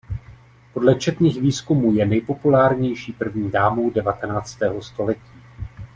Podle četných výzkumů je nejpopulárnější první dámou devatenáctého století.